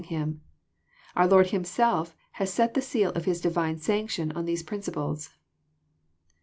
169 log Him. Oar Lord Himself has set the seal of His Divine sanction on these principles."